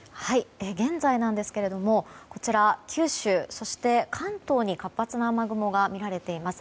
現在なんですが九州、そして関東に活発な雨雲が見られています。